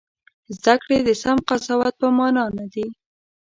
زده کړې د سم قضاوت په مانا نه دي.